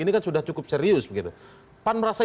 ini kan sudah cukup serius begitu pan merasa